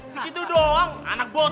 sekitu doang anak bocang